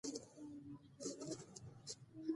خواړه تیار دي